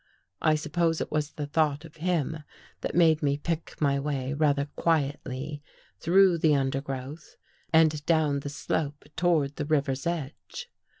I suppose it was the thought of him that made me pick my way rather quietly through the undergrowth and down the slope toward the river's edge.